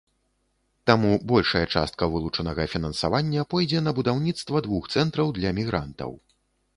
Таму большая частка вылучанага фінансавання пойдзе на будаўніцтва двух цэнтраў для мігрантаў.